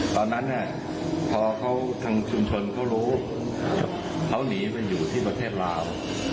ตอนนั้นทั้งชุมชนเขารู้เขาหนีไปอยู่ที่ประเทศลาว